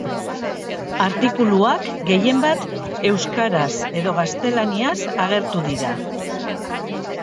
Artikuluak gehienbat euskaraz edo gaztelaniaz agertu dira.